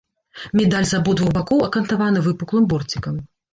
Медаль з абодвух бакоў акантаваны выпуклым борцікам.